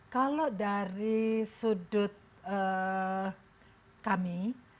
kalau dari sudut kami